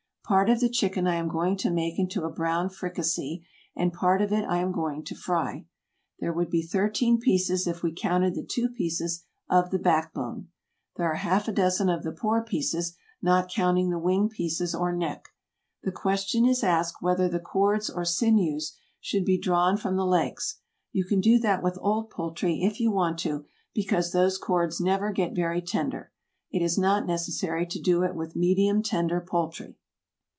Part of the chicken I am going to make into a brown fricassee, and part of it I am going to fry. There would be thirteen pieces if we counted the two pieces of the back bone. There are half a dozen of the poor pieces, not counting the wing pieces or neck. The question is asked whether the cords or sinews should be drawn from the legs. You can do that with old poultry if you want to, because those cords never get very tender. It is not necessary to do it with medium tender poultry.